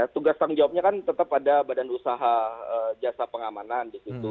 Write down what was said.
tugas tanggung jawabnya kan tetap ada badan usaha jasa pengamanan di situ